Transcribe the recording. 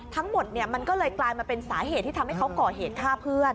ทั้งหมดมันก็เลยกลายมาเป็นสาเหตุที่ทำให้เขาก่อเหตุฆ่าเพื่อน